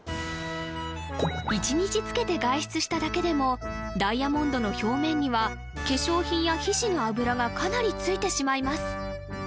１日つけて外出しただけでもダイヤモンドの表面には化粧品や皮脂の油がかなりついてしまいます